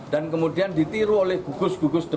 dan kemudian ditiru oleh gugus gugusnya